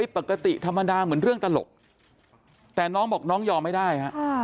ปกติธรรมดาเหมือนเรื่องตลกแต่น้องบอกน้องยอมไม่ได้ฮะ